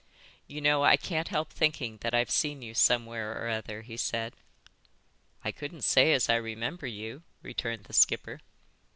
"You know, I can't help thinking that I've seen you before somewhere or other," he said. "I couldn't say as I remember you," returned the skipper.